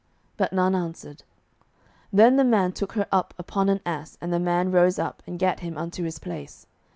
But none answered. Then the man took her up upon an ass, and the man rose up, and gat him unto his place.